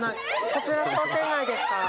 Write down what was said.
こちら商店街ですか？